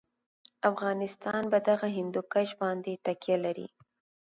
افغانستان په دغه هندوکش باندې تکیه لري.